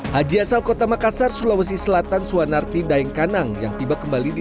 hai haji asal kota makassar sulawesi selatan suanarti daingkanang yang tiba kembali di